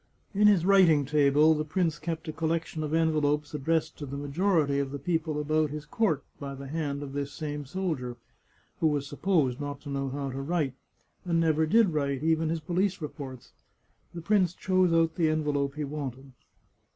In his writing table the prince kept a collection of en velopes addressed to the majority of the people about his court by the hand of this same soldier, who was supposed not to know how to write, and never did write even his 146 The Chartreuse of Parma police Feports. The prince chose out the envelope he wanted.